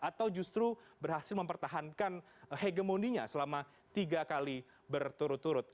atau justru berhasil mempertahankan hegemoninya selama tiga kali berturut turut